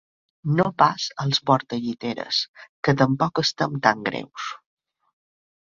No pas als portalliteres, que tampoc estem tan greus!